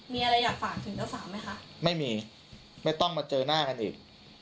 มีอะไรอยากฝากถึงเจ้าสาวไหมคะไม่มีไม่ต้องมาเจอหน้ากันอีก